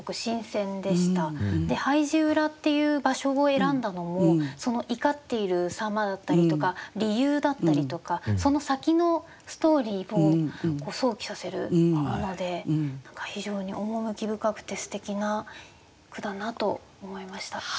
で廃寺裏っていう場所を選んだのもその怒っている様だったりとか理由だったりとかその先のストーリーを想起させるもので何か非常に趣深くてすてきな句だなと思いました。